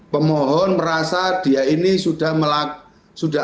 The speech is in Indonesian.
pemohon merasa dia ini sudah